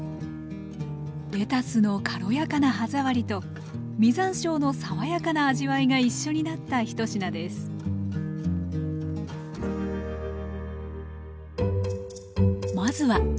レタスの軽やかな歯触りと実山椒の爽やかな味わいが一緒になった一品ですまずはつくねの作り方から